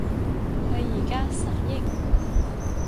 佢而家失憶